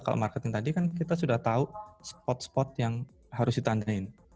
kalau marketing tadi kan kita sudah tahu spot spot yang harus ditandain